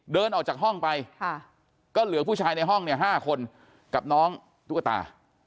เดินออกจากห้องไปก็เหลือผู้ชายในห้องเนี่ย๕คนกับน้องตุ๊กตา